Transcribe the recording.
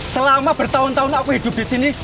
selama bertahun tahun aku hidup disini